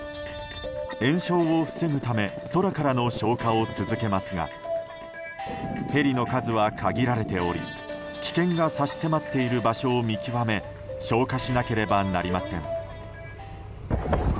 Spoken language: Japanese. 延焼を防ぐため空からの消火を続けますがヘリの数は限られており、危険が差し迫っている場所を見極め消火しなければなりません。